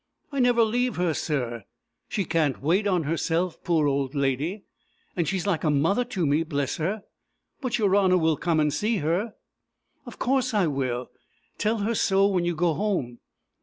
"I never leave her, sir. She can't wait on herself, poor old lady. And she's like a mother to me. Bless her! But your honour will come and see her?" "Of course I will. Tell her so when you go home."